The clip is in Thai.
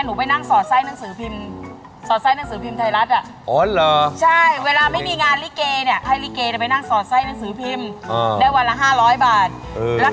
ใจสั่นมากเลย